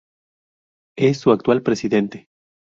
Es su actual presidente.